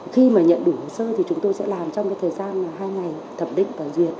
khi mà nhận đủ hồ sơ thì chúng tôi sẽ làm trong cái thời gian hai ngày thẩm định và duyệt